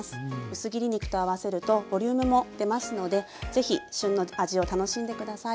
薄切り肉と合わせるとボリュームも出ますのでぜひ旬の味を楽しんで下さい。